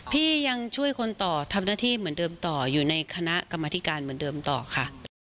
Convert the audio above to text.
พี่ยังช่วยคนต่อทำหน้าที่เหมือนเดิมต่ออยู่ในคณะกรรมธิการเหมือนเดิมต่อค่ะ